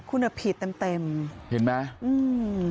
คุณอะผิดเต็มเห็นไหมอืม